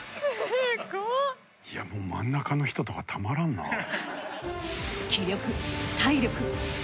いやもう真ん中の人とかたまらんな。